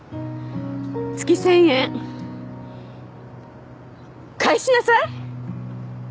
月１０００円返しなさい！